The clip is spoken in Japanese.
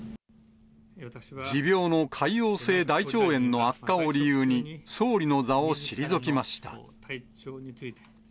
持病の潰瘍性大腸炎の悪化を理由に、総理の座を退きました。